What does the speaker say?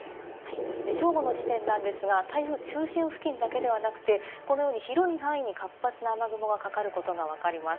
正午の時点なんですが、台風中心付近だけではなくて、このように広い範囲に活発な雨雲がかかることがわかります。